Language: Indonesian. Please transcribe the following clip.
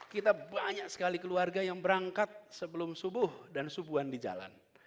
kita banyak sekali keluarga yang berangkat sebelum subuh dan subuhan di jalan